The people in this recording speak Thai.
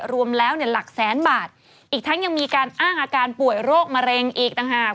รวมแล้วเนี่ยหลักแสนบาทอีกทั้งยังมีการอ้างอาการป่วยโรคมะเร็งอีกต่างหาก